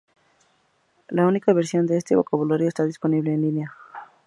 La última versión de este vocabulario está disponible en línea.